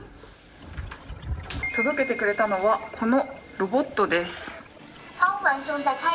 届けてくれたのはこのロボットです。